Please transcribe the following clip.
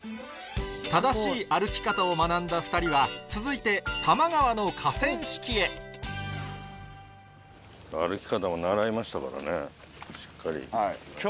正しい歩き方を学んだ２人は続いて多摩川の河川敷へ歩き方も習いましたからねしっかり。